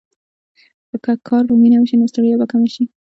که کار په مینه وشي، نو ستړیا به کمه شي.